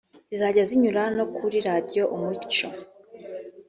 zizajya zinyura no kuri Radiyo Umucyo